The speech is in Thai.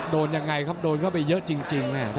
โดนยังไงครับโดนเข้าไปเยอะจริง